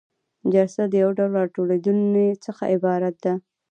جلسه د یو ډول راټولیدنې څخه عبارت ده.